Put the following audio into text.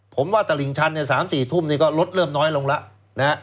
ผมว่าตริงชันเนี้ยสามสี่ทุ่มนี่ก็ลดเริ่มน้อยลงละนะฮะ